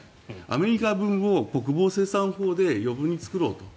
アメリカ分を国防生産法で余分に作ろうと。